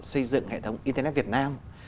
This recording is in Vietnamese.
xây dựng hệ thống internet việt nam